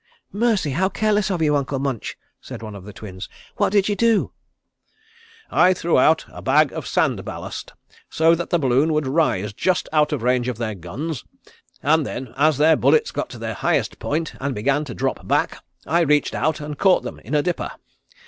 "Mercy, how careless of you, Uncle Munch!" said one of the Twins. "What did you do?" "I threw out a bag of sand ballast so that the balloon would rise just out of range of their guns, and then, as their bullets got to their highest point and began to drop back, I reached out and caught them in a dipper.